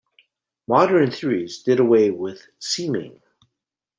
Modern theories did away with "seeming".